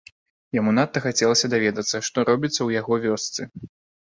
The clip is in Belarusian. Яму надта хацелася даведацца, што робіцца ў яго вёсцы.